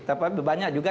tapi banyak juga